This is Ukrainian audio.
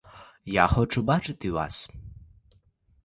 Я хочу бачити вас.